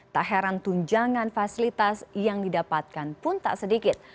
tak heran tunjangan fasilitas yang didapatkan pun tak sedikit